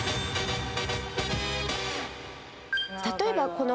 例えばこの方。